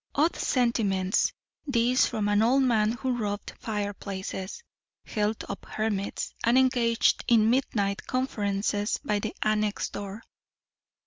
Odd sentiments these from an old man who robbed fireplaces, held up hermits, and engaged in midnight conferences by the annex door.